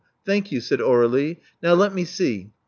Thank you," said Aurdlie. •*Now, let me see.